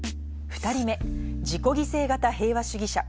２人目自己犠牲型平和主義者。